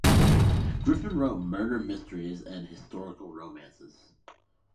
Griffin wrote murder mysteries and historical romances.